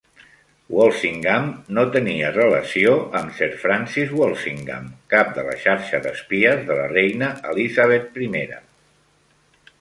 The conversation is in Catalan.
Walsingham no tenia relació amb Sir Francis Walsingham, cap de la xarxa d'espies de la reina Elisabet I.